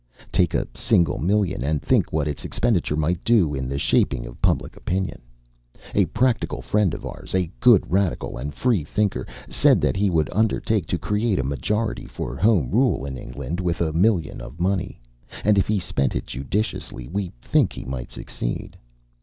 Take a single million, and think what its expenditure might do in the shaping of public opinion. A practical friend of ours, a good Radical and Freethinker, said that he would undertake to create a majority for Home Rule in England with a million of money; and if he spent it judiciously, we think he might succeed.